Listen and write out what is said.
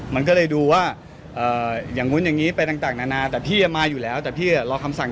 มันก็เลยดูว่าอย่างนู้นอย่างนี้ไปต่างนานาแต่พี่มาอยู่แล้วแต่พี่รอคำสั่ง